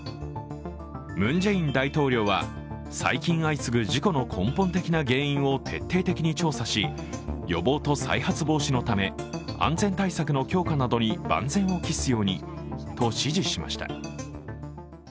ムン・ジェイン大統領は、最近相次ぐ事故の根本的な原因を徹底調査し、予防と再発防止のため安全対策の強化などに万全を期すようにと指示しました。